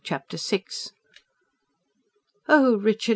Chapter VI "Oh, Richard!...